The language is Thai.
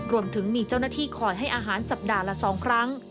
รวมถึงมีเจ้าหน้าที่คอยให้อาหารสัปดาห์ละ๒ครั้ง